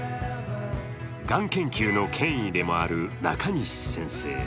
がん研究の権威でもある中西先生。